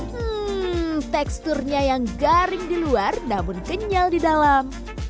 hmm teksturnya yang garing di luar namun kenyal di dalam